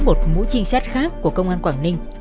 một mũi trinh sát khác của công an quảng ninh